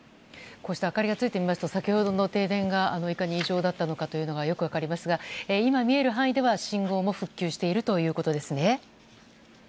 こうして明かりがつくと先ほどの停電がいかに異常だったのかがよく分かりますが今、見える範囲では信号も復旧しているということですね。